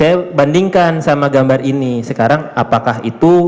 saya bandingkan sama gambar ini sekarang apakah itu